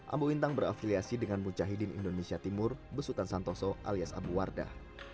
ambo wintang berafiliasi dengan mucahidin indonesia timur besutan santoso alias abu wardah